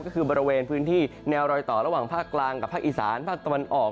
ก็คือบริเวณพื้นที่แนวรอยต่อระหว่างภาคกลางกับภาคอีสานภาคตะวันออก